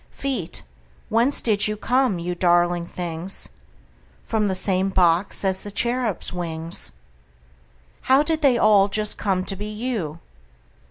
Feet, whence did you come, you darling things? From the same box as the cherubs' wings. How did they all just come to be you?